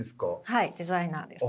はいデザイナーです。